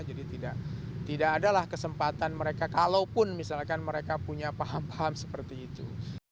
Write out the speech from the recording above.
jadi tidak adalah kesempatan mereka kalaupun misalkan mereka punya paham paham seperti itu